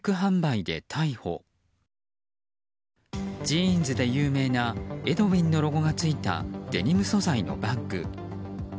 ジーンズで有名なエドウィンのロゴがついたデニム素材のバッグ。